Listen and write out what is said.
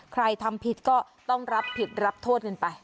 ใครทำผิดก็ต้องรับผิดรับโทษกันไป